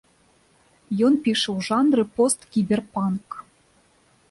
Ён піша ў жанры посткіберпанк.